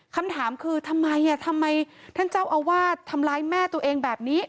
คำถามคือทำไมทำไมท่านเจ้าอาวาสทำร้ายแม่ตัวเองแบบนี้